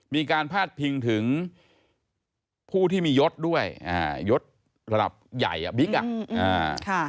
มีการพาดพิงถึงผู้ที่มียศด้วยยศระดับใหญ่บิ๊กอ่ะ